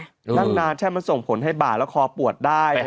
นั่งนานใช่มันส่งผลให้บ่าแล้วคอปวดได้